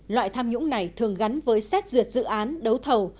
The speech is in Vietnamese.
loại tham nhũng này thường gắn với xét duyệt dự án đấu thầu